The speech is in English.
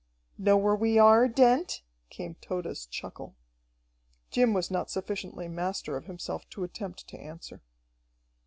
"Know where we are, Dent?" came Tode's chuckle. Jim was not sufficiently master of himself to attempt to answer.